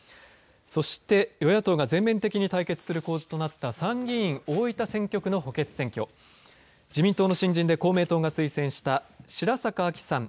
そして与野党が全面的に対決する構図となった参議院大分選挙区の補欠選挙自民党の新人で公明党が推薦した白坂亜紀さん